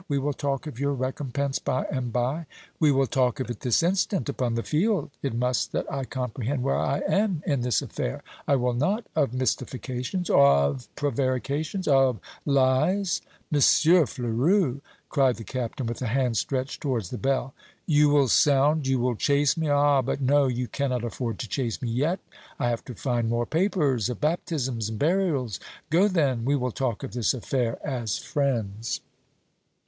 We will talk of your recompense by and by." "We will talk of it this instant upon the field. It must that I comprehend where I am in this affair. I will not of mystifications, of prevarications, of lies " "M. Fleurus!" cried the Captain, with a hand stretched towards the bell. "You will sound you will chase me! Ah, but no! you cannot afford to chase me yet. I have to find more papers of baptisms and burials. Go, then, we will talk of this affair as friends."